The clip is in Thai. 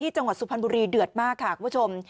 จังหวัดสุพรรณบุรีเดือดมากค่ะคุณผู้ชม